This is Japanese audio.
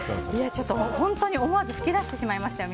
ちょっと本当に思わず噴き出してしまいましたよ。